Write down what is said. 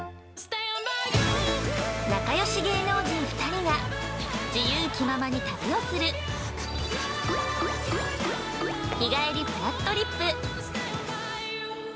◆仲よし芸能人２人が自由気ままに旅をする「日帰りぷらっとりっぷ」。